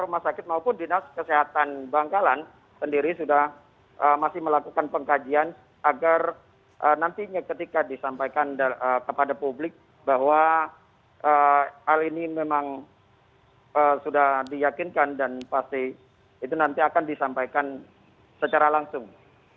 rumah sakit maupun dinas kesehatan bangkalan sendiri sudah masih melakukan pengkajian agar nantinya ketika disampaikan kepada publik bahwa hal ini memang sudah diyakinkan dan pasti itu nanti akan disampaikan secara langsung